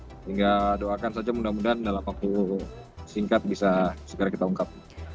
sehingga doakan saja mudah mudahan dalam waktu singkat bisa segera kita ungkap